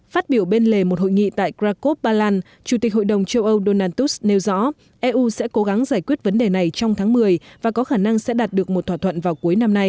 phát biểu bên lề một hội nghị tại grakov ba lan chủ tịch hội đồng châu âu donald tus nêu rõ eu sẽ cố gắng giải quyết vấn đề này trong tháng một mươi và có khả năng sẽ đạt được một thỏa thuận vào cuối năm nay